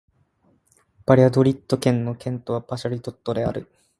バリャドリッド県の県都はバリャドリッドである